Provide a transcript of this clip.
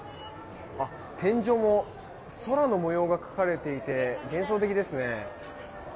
天井も空の模様が描かれていて幻想的ですね。